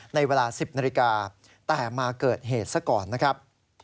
ในเวลา๑๐นาฬิกาแต่มาเกิดเหตุซะก่อนนะครับ